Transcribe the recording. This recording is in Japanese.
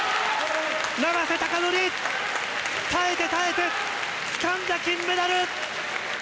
永瀬貴規、耐えて耐えて、つかんだ金メダル！